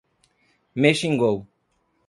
Me xingou.